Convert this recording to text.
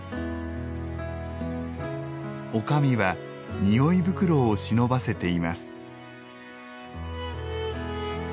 女将は匂い袋を忍ばせています。